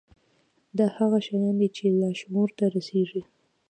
دا هغه شيان دي چې لاشعور ته رسېږي.